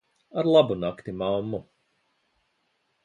Ar labu nakti, mammu.